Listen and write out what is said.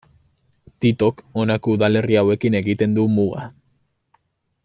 Titok honako udalerri hauekin egiten du muga.